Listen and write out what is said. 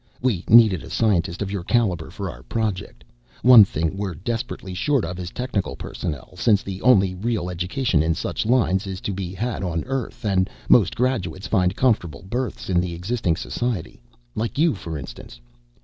"We needed a scientist of your caliber for our project. One thing we're desperately short of is technical personnel, since the only real education in such lines is to be had on Earth and most graduates find comfortable berths in the existing society. Like you, for instance.